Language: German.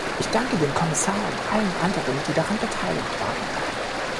Ich danke dem Kommissar und allen anderen, die daran beteiligt waren.